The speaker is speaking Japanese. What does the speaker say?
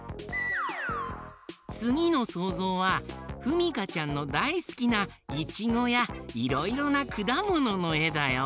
つぎのそうぞうはふみかちゃんのだいすきないちごやいろいろなくだもののえだよ。